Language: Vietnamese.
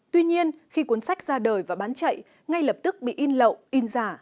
tuy nhiên khi cuốn sách ra đời và bán chạy ngay lập tức bị in lậu in giả